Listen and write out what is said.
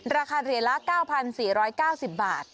ราคาเหรียญละ๙๔๙๐บาท